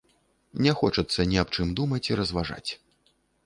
Не хочацца ні аб чым думаць і разважаць.